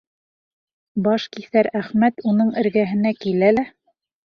Башкиҫәр Әхмәт уның эргәһенә килә лә: